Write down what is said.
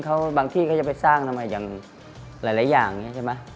เขาก็มีความหวังทั้งนั้น